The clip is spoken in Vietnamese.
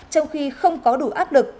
trong khi không có đủ áp lực